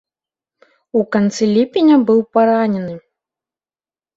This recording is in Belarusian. У канцы ліпеня быў паранены.